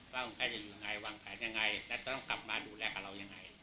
ว่าคนไข้จะอยู่ยังไงวางแผนยังไงและจะต้องกลับมาดูแลกับเรายังไง